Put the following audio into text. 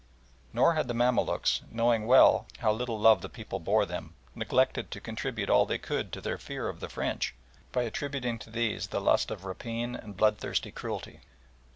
Nor had the Mamaluks, knowing well how little love the people bore them, neglected to contribute all they could to their fear of the French by attributing to these the lust of rapine and bloodthirsty cruelty.